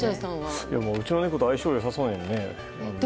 うちの猫と相性が良さそうで。